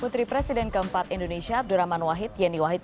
putri presiden keempat indonesia abdurrahman wahid yeni wahid